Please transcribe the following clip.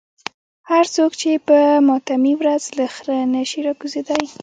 هر څوک چې په ماتمي ورځ له خره نشي راکوزېدای.